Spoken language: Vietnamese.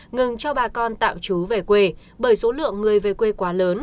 ngừng cho bà con tạm trú về quê bởi số lượng người về quê quá lớn